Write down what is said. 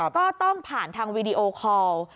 ก็ต้องผ่านทางวีดีโอคอล